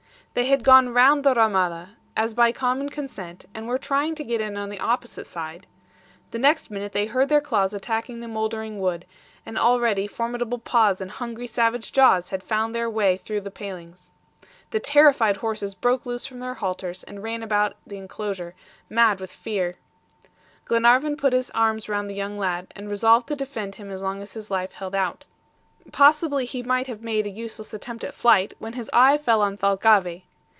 They had gone round the RAMADA, as by common consent, and were trying to get in on the opposite side. The next minute they heard their claws attacking the moldering wood, and already formidable paws and hungry, savage jaws had found their way through the palings. The terrified horses broke loose from their halters and ran about the inclosure, mad with fear. Glenarvan put his arms round the young lad, and resolved to defend him as long as his life held out. Possibly he might have made a useless attempt at flight when his eye fell on Thalcave.